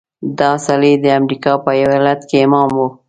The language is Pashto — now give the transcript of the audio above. دا سړی د امریکا په یوه ایالت کې امام و.